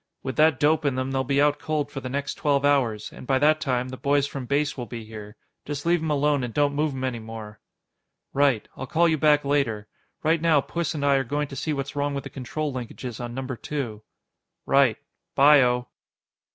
"With that dope in them, they'll be out cold for the next twelve hours, and by that time, the boys from Base will be here. Just leave 'em alone and don't move 'em any more." "Right. I'll call you back later. Right now, Puss and I are going to see what's wrong with the control linkages on Number Two." "Right. By o."